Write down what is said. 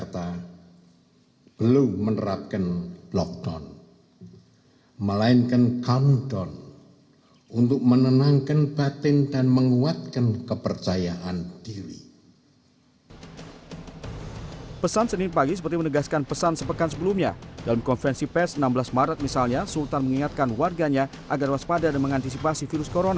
dan juga yang beritahu yang tidak beritahu